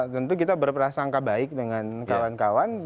tentu kita berprasangka baik dengan kawan kawan